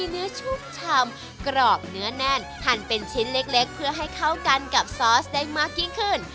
เนื้อชุ่มชำกรอบเนื้อแน่นหั่นเป็นชิ้นเล็กเพื่อให้เข้ากันกับซอสได้มากยิ่งขึ้น